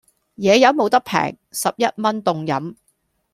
野飲無得平,十一蚊凍飲